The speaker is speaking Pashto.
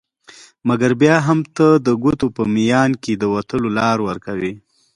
مګر بیا هم ته د ګوتو په میان کي د وتلو لار ورکوي